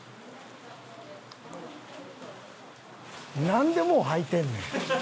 なんでもう履いてんねん。